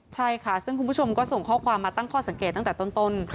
ใช่ค่ะซึ่งคุณผู้ชมก็ส่งข้อความมาตั้งข้อสังเกตตั้งแต่ต้น